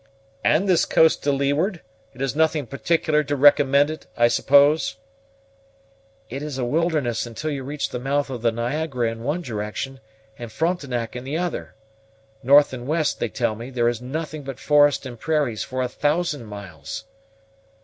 "And this coast to leeward it has nothing particular to recommend it, I suppose?" "It is a wilderness until you reach the mouth of the Niagara in one direction, and Frontenac in the other. North and west, they tell me, there is nothing but forest and prairies for a thousand miles."